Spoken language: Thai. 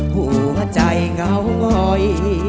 หัวใจเหงางอย